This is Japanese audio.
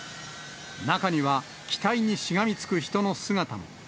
中には、機体にしがみつく人の姿も。